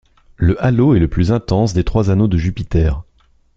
Le halo est le plus interne des trois anneaux de Jupiter.